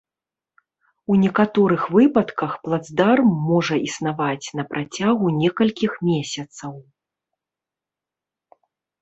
У некаторых выпадках плацдарм можа існаваць на працягу некалькіх месяцаў.